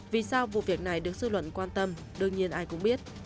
vì sao vụ việc này được sư luận quan tâm đương nhiên ai cũng biết